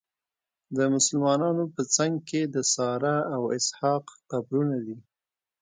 د مسلمانانو په څنګ کې د ساره او اسحاق قبرونه دي.